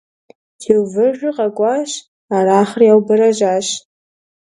Теувэжыр къаукӀащ, Арахъыр яубэрэжьащ.